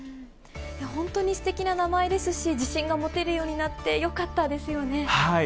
本当にすてきな名前ですし、自信が持てるようになってよかったですよね。